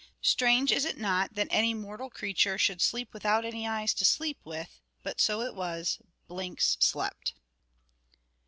Strange, is it not, that any mortal creature should sleep without any eyes to sleep with; but so it was, Blinks slept.